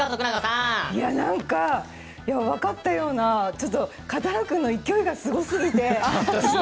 何か、分かったようなカタルくんの勢いがすごすぎて。